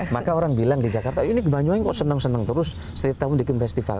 maka orang bilang di jakarta ini banyuwangi kok senang senang terus setiap tahun bikin festival